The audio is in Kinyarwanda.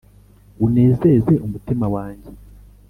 unezeze umutima wanjye